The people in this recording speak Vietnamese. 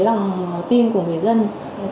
lợi dụng những cái lòng tin của người dân